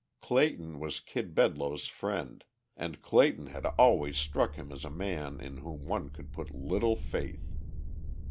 Clayton was Kid Bedloe's friend, and Clayton had always struck him as a man in whom one could put little faith.